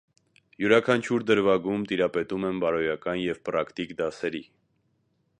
Յուրաքանչյուր դրվագում տիրապետում են բարոյական և պրակտիկ դասերի։